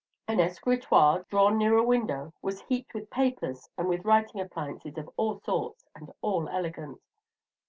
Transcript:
An escritoire, drawn near a window, was heaped with papers and with writing appliances of all sorts, and all elegant.